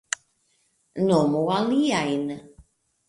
Nomu aliajn!